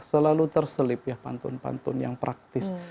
selalu terselip ya pantun pantun yang praktis